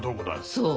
そう。